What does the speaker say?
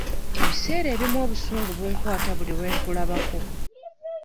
Ebiseera ebimu obusungu bunkwata buli lwe nkulabako.